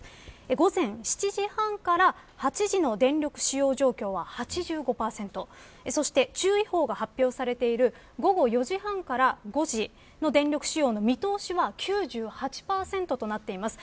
午前７時半から８時の電力使用状況は８５％そして注意報が発表されている午後４時半から５時の電力使用の見通しは９８％となっています。